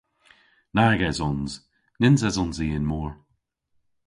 Nag esons. Nyns esons i y'n mor.